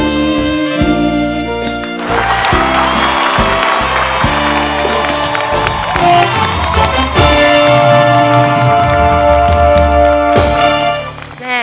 ขอบคุณค่ะ